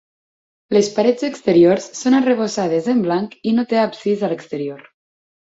Les parets exteriors són arrebossades en blanc i no té absis a l'exterior.